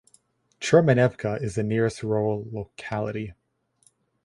Chermenevka is the nearest rural locality.